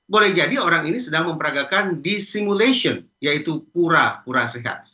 boleh jadi orang ini sedang memperagakan di simulation yaitu pura pura sehat